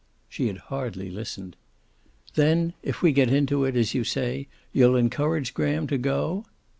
She had hardly listened. "Then, if we get into it, as you say, you'll encourage Graham to go?"